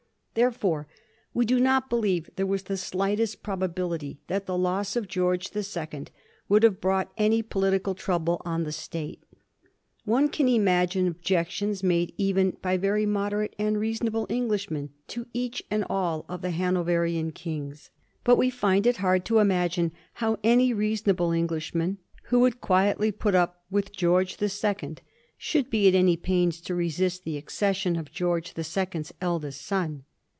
Therefore, we do not believe there was the slightest prob ability that the loss of George the Second would have brought any political trouble on the State. One can imagine objections made even by very moderate and rea sonable Englishmen to each and all of the Hanoverian kings; but we find it hard to imagine how any reasonable Englishman, who had quietly, put up with George the Second, should be at any pains to resist the accession of George the Second's eldest son.